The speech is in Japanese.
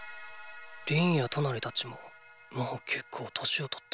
リーンやトナリたちももう結構年をとって。